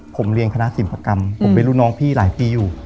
ผมเรียนคณะศิลปกรรมผมเป็นรุ่นน้องพี่หลายปีอยู่